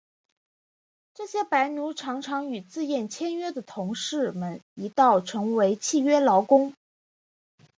这些白奴常常与自愿签约的同事们一道成为契约劳工。